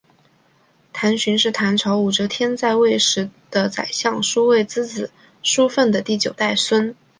苏洵是唐朝武则天在位时的宰相苏味道之子苏份的第九代孙。